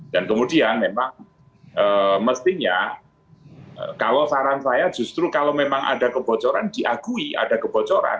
dan kemudian memang mestinya kalau saran saya justru kalau memang ada kebocoran diakui ada kebocoran